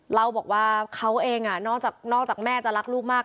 เราบอกว่าเขาเองนอกจากแม่จะรักลูกมาก